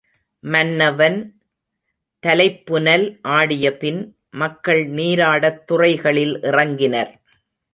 மன்னவன் தலைப்புனல் ஆடியபின், மக்கள் நீராடத் துறைகளில் இறங்கினர்.